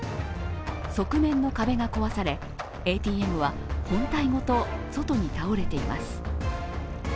側面の壁が壊され、ＡＴＭは本体ごと外に倒れています。